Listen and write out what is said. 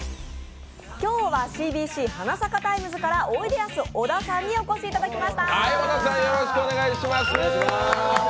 今日はＣＢＣ「花咲かタイムズ」からおいでやす小田さんにお越しいただきました。